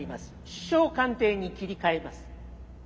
首相官邸に切り替えます」。